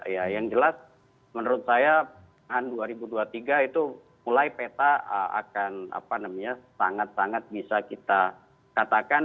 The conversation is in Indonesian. ya yang jelas menurut saya dua ribu dua puluh tiga itu mulai peta akan sangat sangat bisa kita katakan